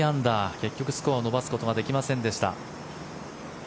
結局スコアを伸ばすことはできませんでした。